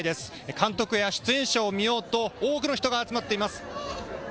監督や出演者を見ようと、多くの人が集まっています。